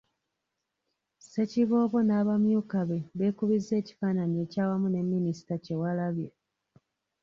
Ssekiboobo n’abamyuka be beekubizza ekifaananyi ekyawamu ne Minisita Kyewalabye.